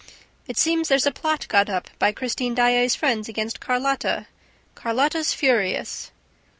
"It seems there's a plot got up by Christine Daae's friends against Carlotta. Carlotta's furious."